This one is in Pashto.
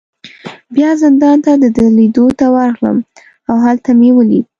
بیا زندان ته د ده لیدو ته ورغلم، او هلته مې ولید.